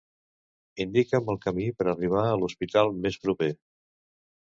Indica'm el camí per arribar a l'hospital més proper.